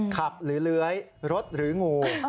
หรือเลื้อยรถหรืองู